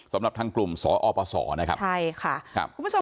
สำหรับทางกลุ่มสอปสนะครับคุณผู้ชม